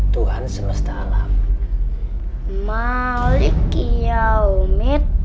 tuhan semesta alam